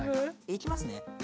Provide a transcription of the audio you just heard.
いきますね。